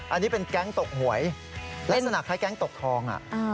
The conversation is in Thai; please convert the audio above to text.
อันนี้เป็นแก๊งตกหวยลักษณะคล้ายแก๊งตกทอง